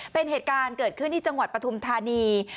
เป็นเหตุการณ์เกิดขึ้นที่จังหวัดปฐุมธานี